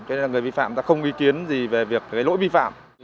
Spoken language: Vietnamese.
cho nên là người vi phạm ta không ghi kiến gì về việc cái lỗi vi phạm